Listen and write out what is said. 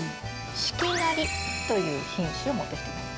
四季なりという品種を持ってきてます。